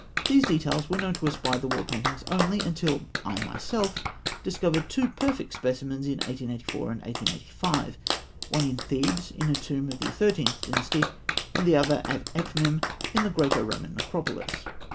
These details were known to us by the wall paintings only until I myself discovered two perfect specimens in 1884 and 1885; one at Thebes, in a tomb of the Thirteenth Dynasty, and the other at Ekhmîm, in the Graeco Roman necropolis.